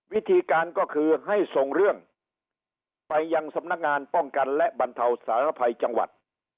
วิธีการก็คือให้ส่งเรื่องไปยังสำนักงานป้องกันและบรรเทาสารภัยจังหวัด